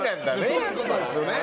そういう事ですよね。